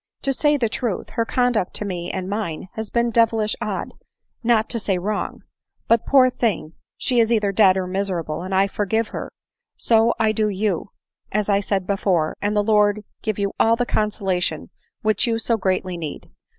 To say the truth, her conduct to me and mine has been devilish odd, not to say wrong. But, poor thing, ! she is either dead or miserable, and I forgive her; — so I do you, as I said before, and the Lord give you all the consola tion which you so greatly need